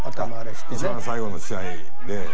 一番最後の試合で。